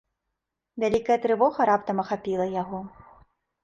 Вялікая трывога раптам ахапіла яго.